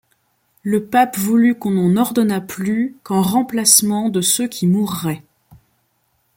Le pape voulut qu'on n'en ordonnât plus, qu'en remplacement de ceux qui mourraient.